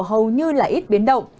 hầu như là ít biến động